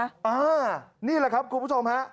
นี่แหละครับคุณผู้ชมฮะ